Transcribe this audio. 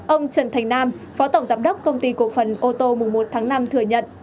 ông trần thành nam phó tổng giám đốc công ty cổ phần ô tô mùng một tháng năm thừa nhận